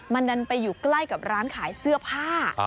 มันดันไปอยู่ใกล้กับร้านขายเสื้อผ้า